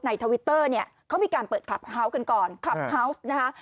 ทวิตเตอร์เนี่ยเขามีการเปิดคลับเฮาส์กันก่อนคลับเฮาวส์นะคะ